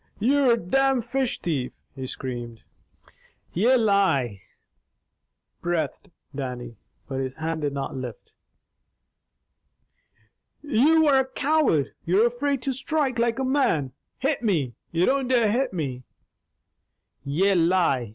"You're a domn fish thief!" he screamed. "Ye lie!" breathed Dannie, but his hand did not lift. "You are a coward! You're afraid to strike like a man! Hit me! You don't dare hit me!" "Ye lie!"